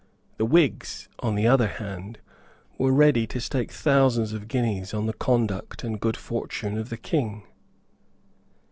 The Whigs, on the other hand, were ready to stake thousands of guineas on the conduct and good fortune of the King.